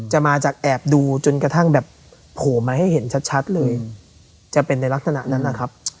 จะมาจากแอบดูจนกระทั่งแบบโผล่มาให้เห็นชัดเลยจะเป็นในลักษณะนั้นนะครับ